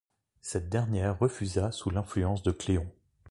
Cette dernière refusa sous l'influence de Cléon.